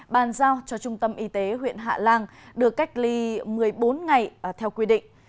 bàn giao cho trung tâm y tế huyện hạ lan được cách ly một mươi bốn ngày theo quy định